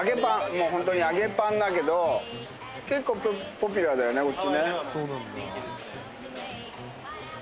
もうホントに揚げパンだけど結構ポピュラーだよねこっちね。